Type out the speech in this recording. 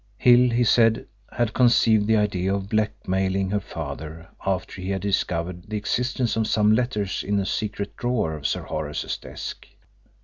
Hill, he said, had conceived the idea of blackmailing her father after he had discovered the existence of some letters in a secret drawer of Sir Horace's desk.